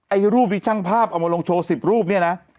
ไอ้รูปที่ช่างภาพเอามาลงโชว์๑๐รูปเนี่ยนะ